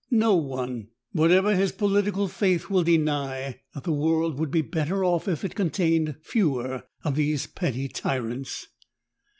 No one, whatever his political faith, will deny that the world would be better off if it contained fewer of these petty tyrants.